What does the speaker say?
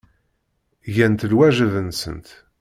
Gant lwajeb-nsent.